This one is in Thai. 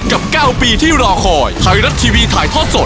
๙ปีที่รอคอยไทยรัฐทีวีถ่ายทอดสด